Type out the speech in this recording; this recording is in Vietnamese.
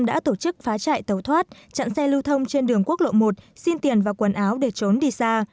đã tổ chức phá trại tàu thoát chặn xe lưu thông trên đường quốc lộ một xin tiền và quần áo để trốn đi xa